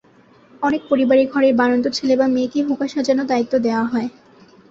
অনেক পরিবারে ঘরের বাড়ন্ত ছেলে বা মেয়েকেই হুঁকা সাজানোর দায়িত্ব দেওয়া হয়।